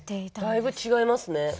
だいぶ違いますね。